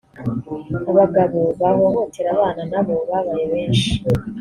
Abagabo bahohotera abana nabo babaye benshi